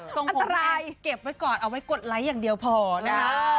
ส่งของไลน์เก็บไว้ก่อนเอาไว้กดไลค์อย่างเดียวพอนะคะ